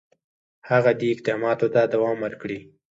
هغه دي اقداماتو ته دوام ورکړي.